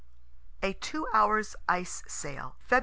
A TWO HOURS ICE SAIL _Feb.